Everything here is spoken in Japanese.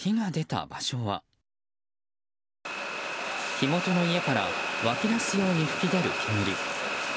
火元の家から湧き出すように噴き出る煙。